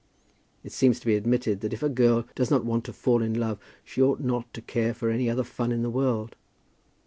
It seems to be admitted that if a girl does not want to fall in love, she ought not to care for any other fun in the world.